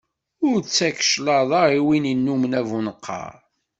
Ur ttak cclaḍa i win innumen abuneqqaṛ.